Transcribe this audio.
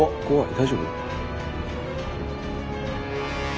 大丈夫？